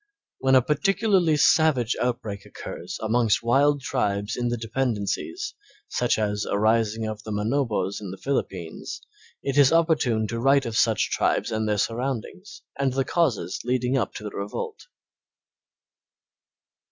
When a particularly savage outbreak occurs amongst wild tribes in the dependencies, such as a rising of the Manobos in the Philippines, it is opportune to write of such tribes and their surroundings, and the causes leading up to the revolt.